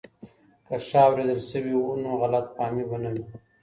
که ښه اورېدل سوي و نو غلط فهمي به نه وه.